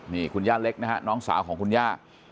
นี่คุณย่าเล็กนะฮะน้องสาวของคุณย่า